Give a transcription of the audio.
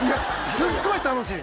すっごい楽しみ